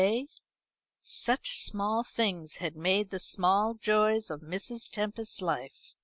Such small things had made the small joys of Mrs. Tempest's life.